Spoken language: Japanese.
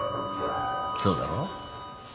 そうだろ？